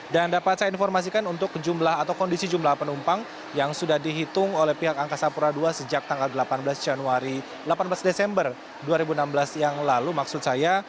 dan dapat saya informasikan untuk jumlah atau kondisi jumlah penumpang yang sudah dihitung oleh pihak angkasa pura ii sejak tanggal delapan belas desember dua ribu enam belas yang lalu maksud saya